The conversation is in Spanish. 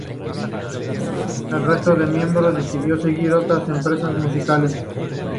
El resto de los miembros decidió seguir otras empresas musicales.